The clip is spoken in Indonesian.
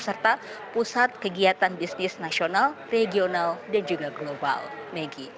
serta pusat kegiatan bisnis nasional regional dan juga global maggie